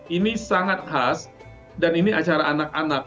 ini sangat khas dan ini acara anak anak